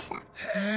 へえ！